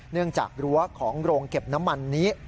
เนื่องจากรั้วของโรงเก็บน้ำมันนี้